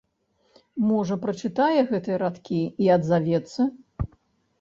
Можа, прачытае гэтыя радкі і адзавецца?